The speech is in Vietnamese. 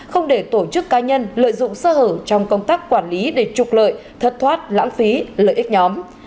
không để tổ chức cá nhân lợi dụng sơ hở trong công tác quản lý để trục lợi thất thoát lãng phí lợi ích nhóm